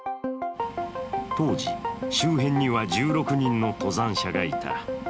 当時、周辺には１６人の登山者がいた。